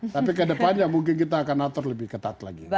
tapi kedepannya mungkin kita akan atur lebih ketat lagi